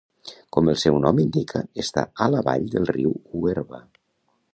Com el seu nom indica està a la vall del riu Huerva.